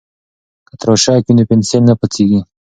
که تراشک وي نو پنسل نه پڅیږي.